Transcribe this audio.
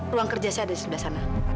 ruang kerja saya ada di sebelah sana